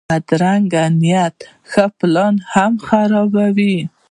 بدرنګه نیت ښه پلان هم خرابوي